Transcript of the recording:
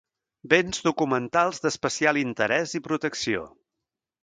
Béns documentals d'especial interès i protecció.